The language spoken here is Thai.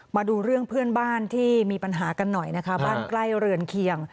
มาดูเรื่องเพื่อนบ้านที่มีปัญหากันหน่อยนะคะบ้านใกล้เรือนเคียง